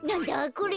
これ。